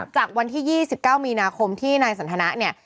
จากวันที่๒๙มีนาคมที่นายสันทนะเนี่ย